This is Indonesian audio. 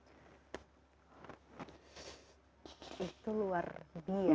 itu luar biasa